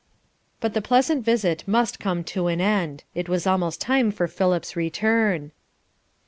But the pleasant visit must come to an end: it was almost time for Philip's return.